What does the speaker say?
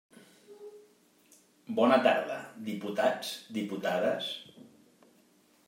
Bona tarda, diputats, diputades.